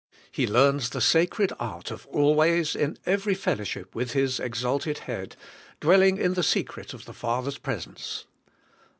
He learns the sacred art of always, in every fellowship with His exalted Head, dwelling in the secret of the Father's presence.